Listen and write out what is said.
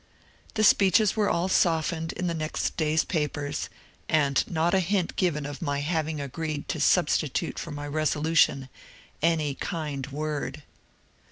The speeches were all softened in the next day's papers, and not a hint given of my having agreed to substitute for my resolution ^^any kind word."